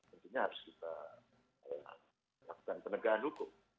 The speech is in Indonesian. tentunya harus kita lakukan penegahan hukum